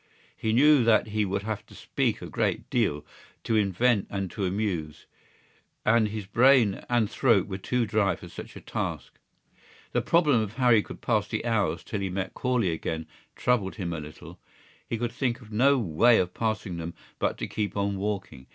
He knew that he would have to speak a great deal, to invent and to amuse, and his brain and throat were too dry for such a task. The problem of how he could pass the hours till he met Corley again troubled him a little. He could think of no way of passing them but to keep on walking.